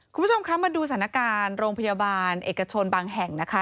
คุณผู้ชมคะมาดูสถานการณ์โรงพยาบาลเอกชนบางแห่งนะคะ